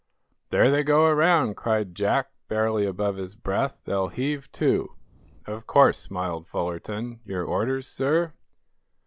"There they go around," cried Jack, barely above his breath, "They'll heave to." "Of course," smiled Fullerton. "Your orders, sir?"